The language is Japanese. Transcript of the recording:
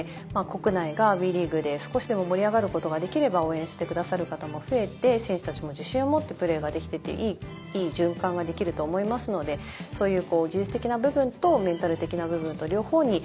国内がＷＥリーグで少しでも盛り上がることができれば応援してくださる方も増えて選手たちも自信を持ってプレーができてっていういい循環ができると思いますのでそういう。